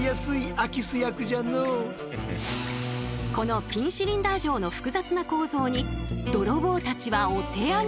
このピンシリンダー錠の複雑な構造に泥棒たちはお手上げ。